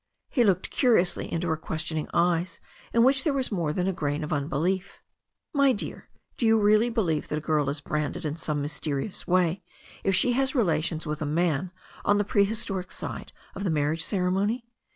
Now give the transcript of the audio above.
He looked curiously into her questioning eyes in which there was more than a grain of unbelief. "My dear, do you really believe that a girl is branded in some mysterious way if she has relations with a man on the prehistoric side of the marriage ceremony